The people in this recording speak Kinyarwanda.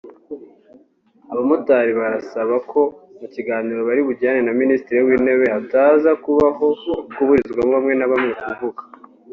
Abamotari barasaba ko Mukiganiro bari bugirane na Minisitiri w’Intebe hataza kubaho kuburizamo bamwe nabamwe kuvuga